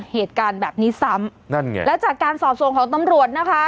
เหตุการณ์แบบนี้ซ้ำนั่นไงแล้วจากการสอบส่วนของตำรวจนะคะ